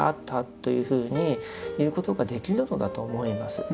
というふうに言うことができるのだと思います。